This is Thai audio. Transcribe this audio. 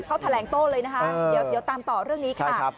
เขาแถลงโต้เลยนะคะเดี๋ยวตามต่อเรื่องนี้ค่ะ